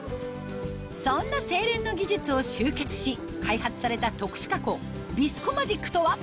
そんなセーレンの技術を集結し開発された特殊加工ビスコマジックとは？